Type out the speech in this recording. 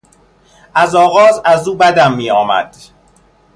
از آغاز از او بدم می آمد.